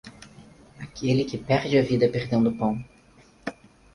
Aquele que perde a vida perdendo o pão.